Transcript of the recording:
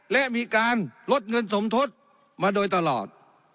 และมีการลดเงินสมทศมาโดยตลอด